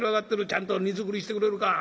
ちゃんと荷造りしてくれるか？」。